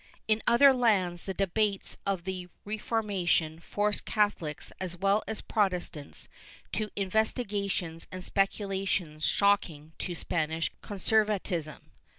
In other lands the debates of the Refor mation forced Catholics as well as Protestants to investigations and speculations shocking to Spanish conservatism.